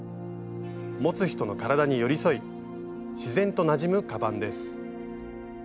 持つ人の体に寄り添い自然となじむカバンです。